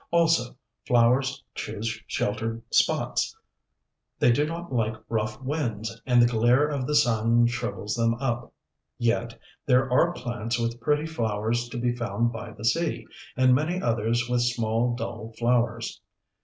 Also, flowers choose sheltered spots. They do not like rough winds, and the glare of the sun shrivels them up. Yet there are plants with pretty flowers to be found by the sea, and many others with small, dull flowers.